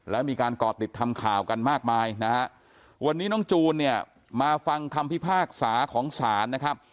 แล้วมีการก่อติดทำข่าวกันมากมายนะฮะวันนี้น้องจูนเนี่ยมาฟังคำพิพากษาของศาลนะครับ